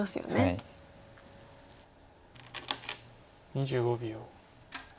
２５秒。